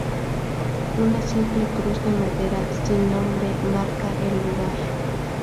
Una simple cruz de madera, sin nombre, marca el lugar.